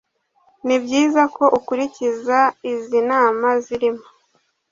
ni byiza ko ukurikiza izi nama zirimo